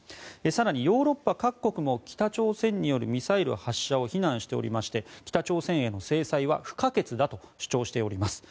更に、ヨーロッパ各国も北朝鮮によるミサイル発射を非難しておりまして北朝鮮への制裁は不可欠だと主張しております。